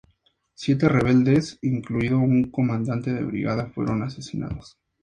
Siete rebeldes, incluido un comandante de brigada, fueron asesinados.